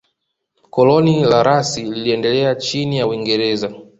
Koloni la Rasi liliendelea chini ya Uingereza